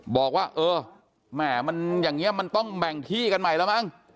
บอกว่าเออแหม่มันอย่างนี้มันต้องแบ่งที่กันใหม่แล้วมั้ง